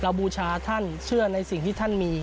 บูชาท่านเชื่อในสิ่งที่ท่านมี